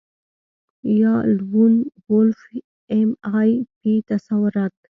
یا لون وولف ایم آی پي تصورات